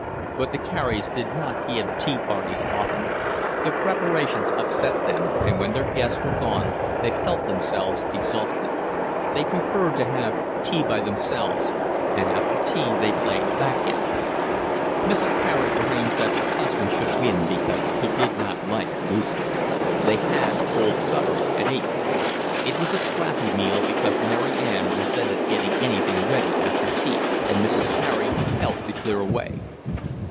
But the Careys did not give tea parties often; the preparations upset them, and when their guests were gone they felt themselves exhausted. They preferred to have tea by themselves, and after tea they played backgammon. Mrs. Carey arranged that her husband should win, because he did not like losing. They had cold supper at eight. It was a scrappy meal because Mary Ann resented getting anything ready after tea, and Mrs. Carey helped to clear away.